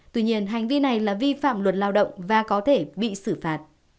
tuy nhiên hành vi này là vi phạm luật lao động và có thể bị xử phạt